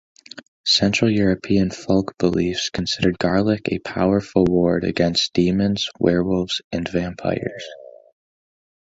Central European folk beliefs considered garlic a powerful ward against demons, werewolves, and vampires.